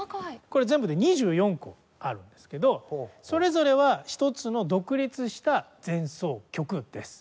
これ全部で２４個あるんですけどそれぞれは一つの独立した前奏曲です。